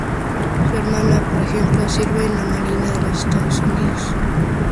Su hermana, por ejemplo, sirve en la Marina de los Estados Unidos.